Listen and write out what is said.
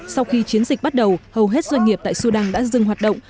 sau khi chiến dịch bắt đầu hầu hết doanh nghiệp tại sudan đã dừng hoạt động